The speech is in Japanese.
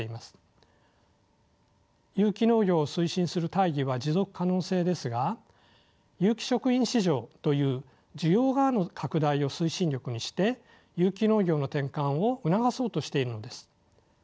有機農業を推進する大義は持続可能性ですが有機食品市場という需要側の拡大を推進力にして有機農業の転換を促そうとしているのです。